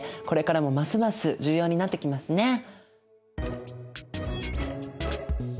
これからもますます重要になってきますね。